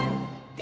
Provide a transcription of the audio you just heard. で！